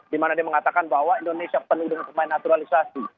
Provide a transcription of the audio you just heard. dimana dia mengatakan bahwa indonesia penuh dengan pemain naturalisasi